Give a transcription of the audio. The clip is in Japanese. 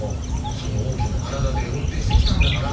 その大きな体で運転してきたんだから。